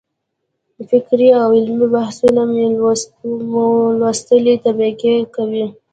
فکري او علمي بحثونه مو لوستې طبقې کوي.